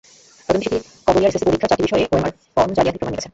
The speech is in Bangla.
তদন্তে সিথি কিবরিয়ার এসএসসি পরীক্ষার চারটি বিষয়ে ওএমআর ফরম জালিয়াতির প্রমাণ মিলেছে।